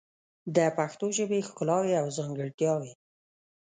د پښتو ژبې ښکلاوې او ځانګړتیاوې